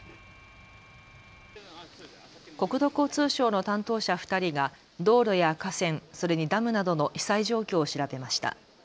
国土交通省の担当者２人が道路や河川、それにダムなどの被災状況を調べました。